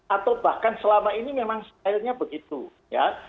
atau bahkan selama ini memang stylenya begitu ya